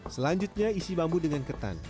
selanjutnya isi bambu dengan ketan